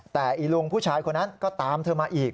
แต่อีลุงผู้ชายคนนั้นก็ตามเธอมาอีก